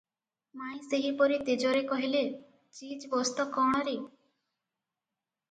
ମାଇଁ ସେହିପରି ତେଜରେ କହିଲେ, "ଚିଜବସ୍ତ କଣରେ?